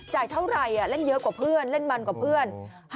เท่าไหร่เล่นเยอะกว่าเพื่อนเล่นมันกว่าเพื่อน